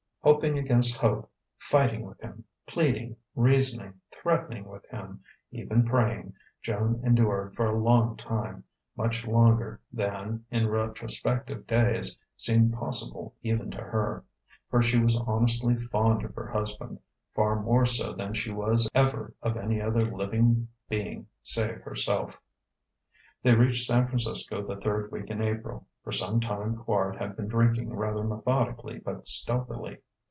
Hoping against hope, fighting with him, pleading, reasoning, threatening with him, even praying, Joan endured for a long time much longer than, in retrospective days, seemed possible even to her; for she was honestly fond of her husband, far more so than she was ever of any other living being save herself. They reached San Francisco the third week in April. For some time Quard had been drinking rather methodically but stealthily.